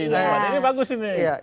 ini bagus ini